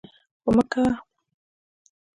خو مه کوه!